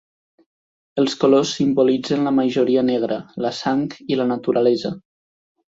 Els colors simbolitzen la majoria negra, la sang i la naturalesa.